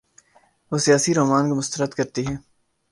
وہ سیاسی رومان کو مسترد کرتی ہے۔